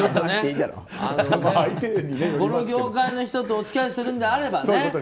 この業界の人とお付き合いするんであればね。